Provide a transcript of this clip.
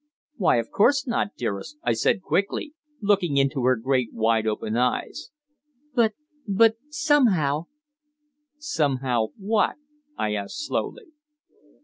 "Why, of course not, dearest," I said quickly, looking into her great wide open eyes. "But but, somehow " "Somehow, what?" I asked slowly.